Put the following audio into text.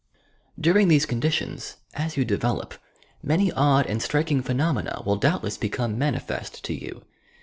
I>uring these conditions — as you develop — ^many odd and striking phenomena will doubtless become manifest to you.